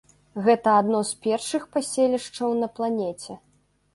Гэта адно з першых паселішчаў на планеце.